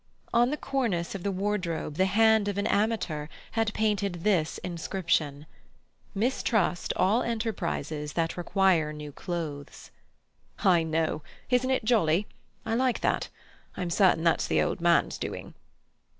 On the cornice of the wardrobe, the hand of an amateur had painted this inscription: "Mistrust all enterprises that require new clothes." "I know. Isn't it jolly? I like that. I'm certain that's the old man's doing."